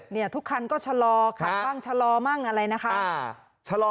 เนี่ยทุกคันก็ชะลอค่ะต้องชะลอบ้างอะไรนะครับ